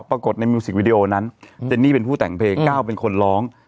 ปรากฏในมิวสิกวิดีโอนั้นเจนนี่เป็นผู้แต่งเพลงก้าวเป็นคนร้อง